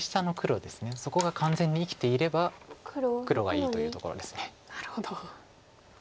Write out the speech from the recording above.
そこが完全に生きていれば黒がいいというところです。